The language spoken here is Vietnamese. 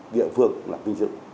địa phương là kinh dự